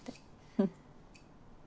フッ。